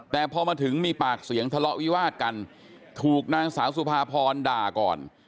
แต่พอมาถึงมีปากเสียงทะเลาะวิวาดกันถูกนางสาวสุภาพรด่าก่อน